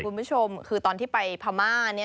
คุณผู้ชมคือตอนที่ไปพม่า